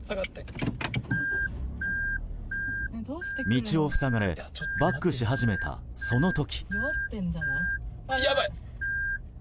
道を塞がれバックし始めたその時。